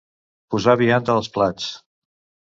Posar vianda als plats.